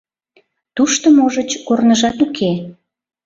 — Тушто, можыч, корныжат уке.